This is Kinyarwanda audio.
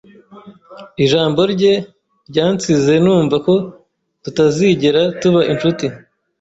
Ijambo rye ryansize numva ko tutazigera tuba inshuti.